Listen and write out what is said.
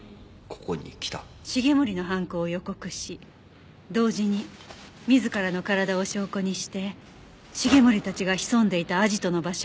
繁森の犯行を予告し同時に自らの体を証拠にして繁森たちが潜んでいたアジトの場所を割り出させ。